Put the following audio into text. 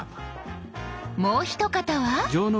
もう一方は。